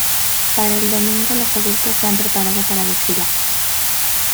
Para el domingo los adultos se han preparado para desfilar.